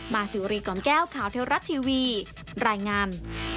สิวรีกล่อมแก้วข่าวเทวรัฐทีวีรายงาน